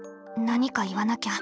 何か言わなきゃ。